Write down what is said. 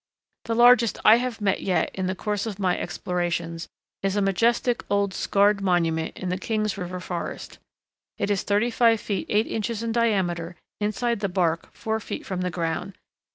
The largest I have yet met in the course of my explorations is a majestic old scarred monument in the King's River forest. It is 35 feet 8 inches in diameter inside the bark four feet from the ground.